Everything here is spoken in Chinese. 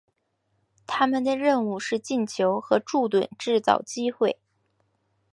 他们的任务是进球和为柱趸制造机会。